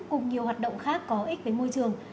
cùng nhiều hoạt động khác có ích với môi trường